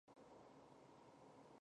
这是为开展文革准备的组织措施。